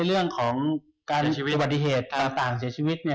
เรื่องของการอุบัติเหตุต่างเสียชีวิต